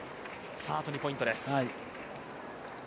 あと２ポイントです。